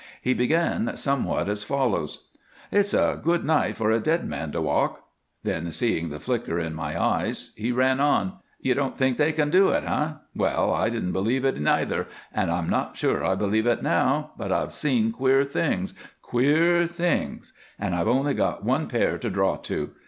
He began somewhat as follows: "It's a good night for a dead man to walk." Then, seeing the flicker in my eyes, he ran on: "You don't think they can do it, eh? Well, I didn't believe it neither, and I'm not sure I believe it now, but I've seen queer things queer things and I've only got one pair to draw to.